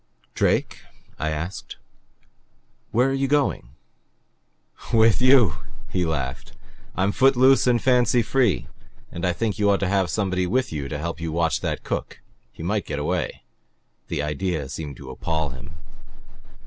"Drake," I asked. "Where are you going?" "With you," he laughed. "I'm foot loose and fancy free. And I think you ought to have somebody with you to help watch that cook. He might get away." The idea seemed to appall him.